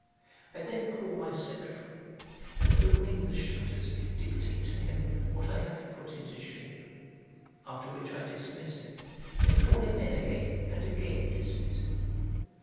I then call my secretary, and, opening the shutters, dictate to him what I have put into shape, after which I dismiss him, then call him in again, and again dismiss him.